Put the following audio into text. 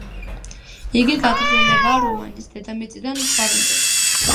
იგი გაგრძელებაა რომანის „დედამიწიდან მთვარემდე“.